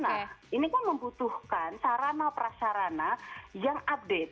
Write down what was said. nah ini kan membutuhkan sarana prasarana yang update